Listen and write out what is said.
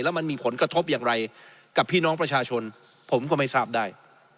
แล้วมันมีผลกระทบอย่างไรกับพี่น้องประชาชนผมก็ไม่ทราบได้